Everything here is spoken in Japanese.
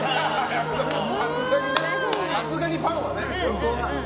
さすがにパンはね。